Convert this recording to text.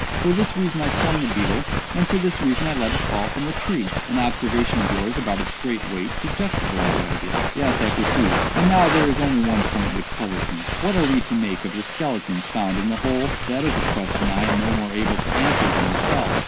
For this reason I swung the beetle, and for this reason I let it fall it from the tree. An observation of yours about its great weight suggested the latter idea." "Yes, I perceive; and now there is only one point which puzzles me. What are we to make of the skeletons found in the hole?" "That is a question I am no more able to answer than yourself.